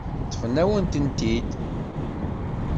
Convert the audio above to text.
Ṭṭfent-awen-ten-id.